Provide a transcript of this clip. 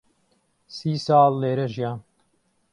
سی ساڵ لێرە ژیام.